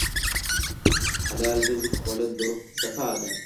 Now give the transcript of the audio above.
د حلال رزق خوړل د روح صفا ده.